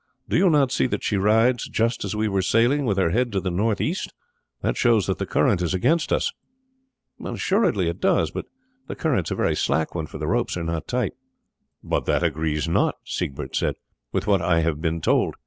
Do you not see that she rides, just as we were sailing, with her head to the north east? That shows that the current is against us." "Assuredly it does," Edmund said; "but the current is a very slack one, for the ropes are not tight." "But that agrees not," Siegbert said, "with what I have been told.